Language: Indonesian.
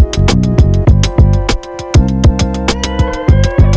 kamu rupanya gelap balas